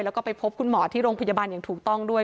แล้วก็ไปพบคุณหมอที่โรงพยาบาลอย่างถูกต้องด้วย